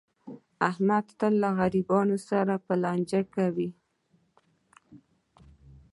احمد تل له غریبانو سره لانجه کوي.